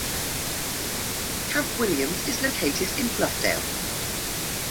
Camp Williams is located in Bluffdale.